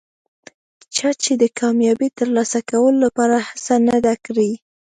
چا چې د کامیابۍ ترلاسه کولو لپاره هڅه نه ده کړي.